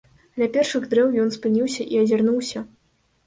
Ля першых дрэў ён спыніўся і азірнуўся.